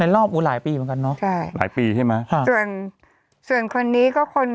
รอบอูหลายปีเหมือนกันเนอะใช่หลายปีใช่ไหมค่ะส่วนส่วนคนนี้ก็คน